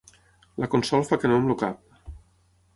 La Consol fa que no amb el cap.